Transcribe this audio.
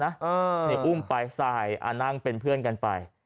นี่อุ้มไปสายนั่งเป็นเพื่อนกันไป